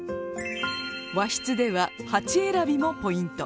和室では鉢選びもポイント。